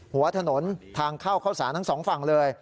หัวถนนทางเข้าเข้าสารทั้งสองฝั่งเลย